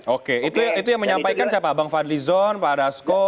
oke itu yang menyampaikan siapa bang fadlizon pak dasko